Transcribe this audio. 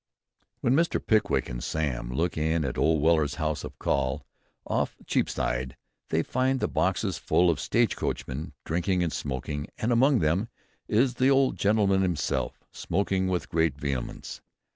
When Mr. Pickwick and Sam look in at old Weller's house of call off Cheapside, they find the boxes full of stage coachmen, drinking and smoking, and among them is the old gentleman himself, "smoking with great vehemence."